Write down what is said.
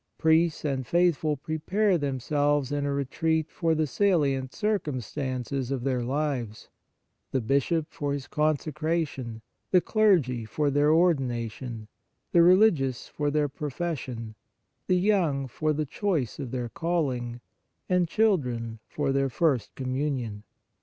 Priests and faithful prepare themselves in a retreat for the salient circumstances of their lives; the Bishop, for his consecration ; the clergy, for their ordination ; the re ligious, for their profession ; the young, for the choice of their calling ; and children, for their first communion.